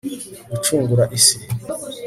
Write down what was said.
gucungura isi